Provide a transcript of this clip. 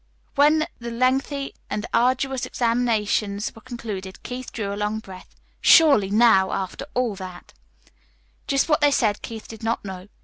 When the lengthy and arduous examinations were concluded, Keith drew a long breath. Surely now, after all that Just what they said Keith did not know.